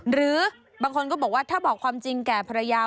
หรือบางคนก็บอกว่าถ้าบอกความจริงแก่ภรรยา